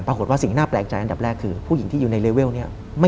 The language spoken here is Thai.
ปรากฏว่าสิ่งน่าแปลกใจอันดับแรกคือผู้หญิงที่อยู่ในเลเวลเนี่ย